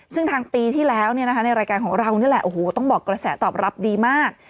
ซึ่งทางปีที่แล้วในรายการของเรานี่แหละโอ้โหต้องบอกกระแสตอบรับดีมาก